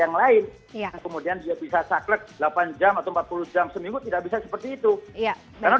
yang lain kemudian dia bisa saklek delapan jam atau empat puluh jam seminggu tidak bisa seperti itu karena